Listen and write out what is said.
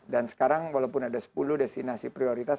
dan sekarang walaupun ada sepuluh destinasi prioritas